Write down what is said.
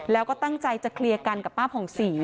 แล้วก็ตั้งใจจะเคลียร์กันกับป้าผ่องศรี